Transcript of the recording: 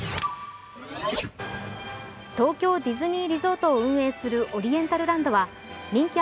東京ディズニーリゾートを運営するオリエンタルランドは人気